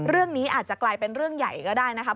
เรื่องนี้อาจจะกลายเป็นเรื่องใหญ่ก็ได้นะครับ